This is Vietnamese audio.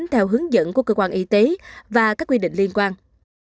theo hướng dẫn của cơ quan y tế và các quy định liên quan